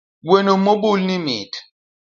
Gweno mobul ni mit